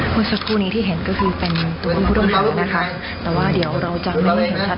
พวกนี้ที่เห็นก็คือเป็นตัวผู้ต้องหานะคะแต่ว่าเดี๋ยวเราจะไม่ได้เห็นชัด